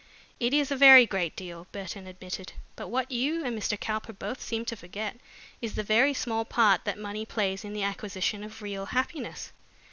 "It is a very great deal," Burton admitted. "But what you and Mr. Cowper both seem to forget is the very small part that money plays in the acquisition of real happiness.